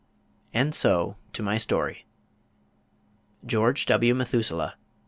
And so to my story. GEORGE W. METHUSELAH.